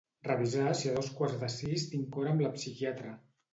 Revisar si a dos quarts de sis tinc hora amb la psiquiatra.